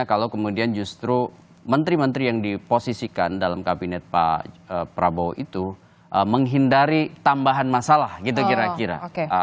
kalau kemudian justru menteri menteri yang diposisikan dalam kabinet pak prabowo itu menghindari tambahan masalah gitu kira kira